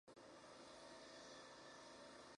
Así el título fue para Häkkinen.